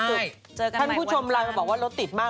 เจอกันใหม่วันจันทร์ท่านผู้ชมไลน์ก็บอกว่าเราติดมาก